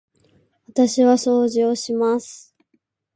私は掃除をします。